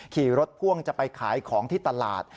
ขี่รถพ่วงจะไปขายของที่ตลาด